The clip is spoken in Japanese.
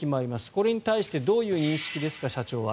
これに対してどういう認識ですか社長は。